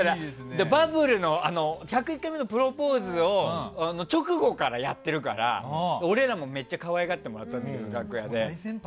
バブルの「１０１回目のプロポーズ」の直後からやってるから俺らもめっちゃ可愛がってもらったんだけど楽屋で。